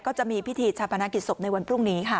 จะมีพิธีชาปนกิจศพในวันพรุ่งนี้ค่ะ